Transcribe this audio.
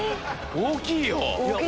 大きいよ！